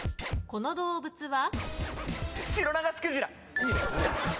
この動物は？